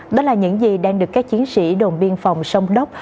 đó là những gì đang được các chiến sĩ đồn biên phòng sông đốc